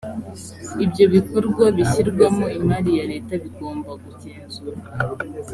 ibyo bikorwa bishyirwamo imari ya leta bigomba kugenzurwa